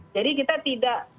jadi kita tidak